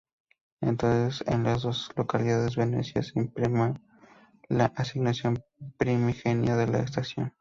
Entonces, en las dos localidades vecinas, imperó la asignación primigenia de la estación.